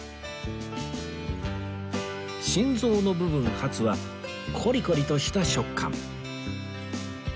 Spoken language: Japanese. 心臓の部分ハツはコリコリとした食感